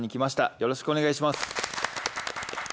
よろしくお願いします。